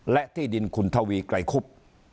และที่ดินคุณทวีไกรคุบ